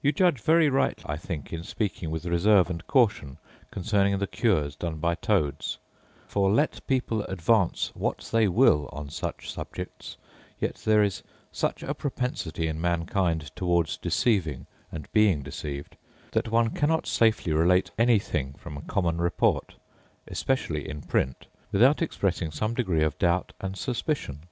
You judge very right, I think, in speaking with reserve and caution concerning the cures done by toads: for, let people advance what they will on such subjects, yet there is such a propensity in mankind towards deceiving and being deceived, that one cannot safely relate any thing from common report, especially in print, without expressing some degree of doubt and suspicion.